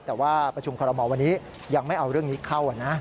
แต่ว่าประชุมคอรมอลวันนี้ยังไม่เอาเรื่องนี้เข้านะ